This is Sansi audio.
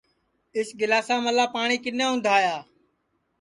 اِس گِلاساملا پاٹؔی کِنے اُندھایا